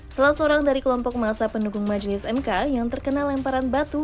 salah seorang dari kelompok masa pendukung majelis mk yang terkena lemparan batu